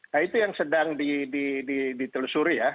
nah itu yang sedang ditelusuri ya